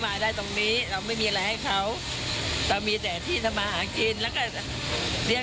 ไม่ได้เล่นด้วยค้าขายอย่างเดียว